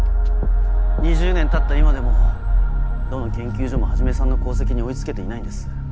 ２０年たった今でもどの研究所も始さんの功績に追い付けていないんです。